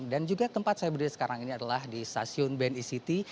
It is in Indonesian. dan juga tempat saya berada sekarang ini adalah di stasiun bni city